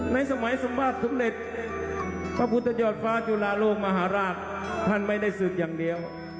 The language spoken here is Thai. สมัยสมบัติสมเด็จพระพุทธยอดฟ้าจุลาโลกมหาราชท่านไม่ได้ศึกอย่างเดียว